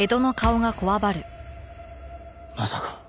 まさか。